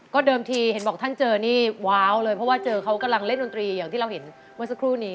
เดิมทีเห็นบอกท่านเจอนี่ว้าวเลยเพราะว่าเจอเขากำลังเล่นดนตรีอย่างที่เราเห็นเมื่อสักครู่นี้